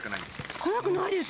辛くないです。